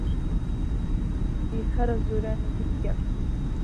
بەشی هەرە زۆریان لە تورکیان